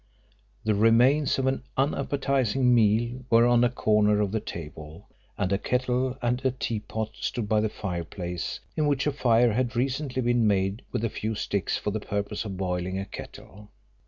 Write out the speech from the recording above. The remains of an unappetising meal were on a corner of the table, and a kettle and a teapot stood by the fireplace in which a fire had recently been made with a few sticks for the purpose of boiling a kettle.